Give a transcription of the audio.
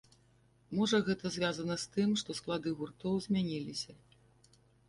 Можа, гэта звязана з тым, што склады гуртоў змяніліся.